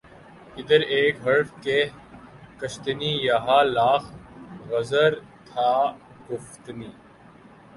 ادھر ایک حرف کہ کشتنی یہاں لاکھ عذر تھا گفتنی